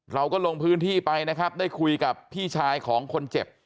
เราก็ลงพื้นที่ไปนะครับได้คุยกับพี่ชายของคนเจ็บ